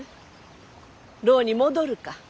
牢に戻るか？